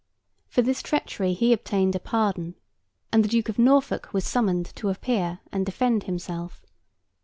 For this treachery he obtained a pardon, and the Duke of Norfolk was summoned to appear and defend himself.